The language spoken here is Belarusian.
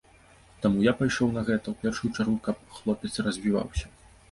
Таму я пайшоў на гэта, у першую чаргу, каб хлопец развіваўся.